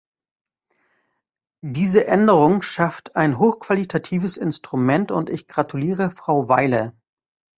Diese Änderung schafft ein hochqualitatives Instrument und ich gratuliere Frau Weiler.